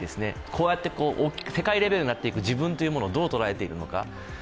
こうやって世界レベルになっていく自分というものをどう捉えているのか。